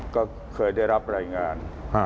ก็เคยได้รับรายงาน